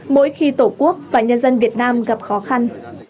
mỗi khi tổ quốc và nhân dân việt nam gặp khó khăn